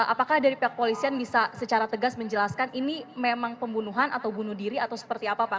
apakah dari pihak polisian bisa secara tegas menjelaskan ini memang pembunuhan atau bunuh diri atau seperti apa pak